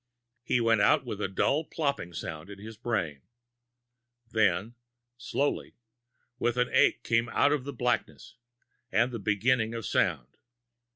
He went out with a dull plopping sound in his brain. Then, slowly, an ache came out of the blackness, and the beginning of sound.